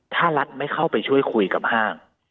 ถ้ารัฐไม่เข้าไปช่วยคุยกับห้าง